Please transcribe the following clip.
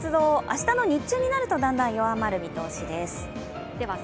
明日の日中になると、だんだん弱まる見通しです。